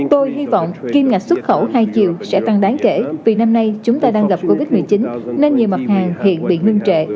tôi hy vọng kim ngạch xuất khẩu hai chiều sẽ tăng đáng kể vì năm nay chúng ta đang gặp covid một mươi chín nên nhiều mặt hàng hiện bị ngưng trệ